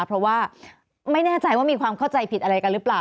เพราะว่าไม่แน่ใจว่ามีความเข้าใจผิดอะไรกันหรือเปล่า